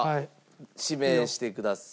指名してください。